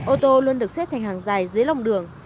ô tô luôn được xếp thành hàng dài dưới lòng đường